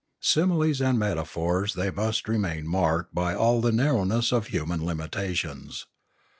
Similes and metaphors they must remain marked by all the narrowness of human limitations.